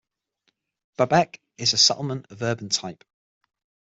Babek is a settlement of urban type.